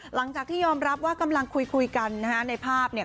หลังจากที่ยอมรับว่ากำลังคุยคุยกันนะฮะในภาพเนี่ย